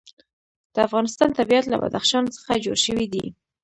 د افغانستان طبیعت له بدخشان څخه جوړ شوی دی.